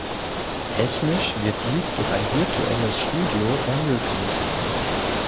Technisch wird dies durch ein virtuelles Studio ermöglicht.